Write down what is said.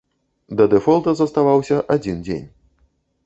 Да дэфолта заставаўся адзін дзень.